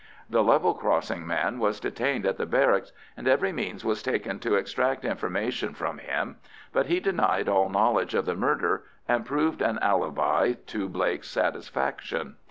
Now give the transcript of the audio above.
The level crossing man was detained at the barracks, and every means was taken to extract information from him; but he denied all knowledge of the murder, and proved an alibi to Blake's satisfaction.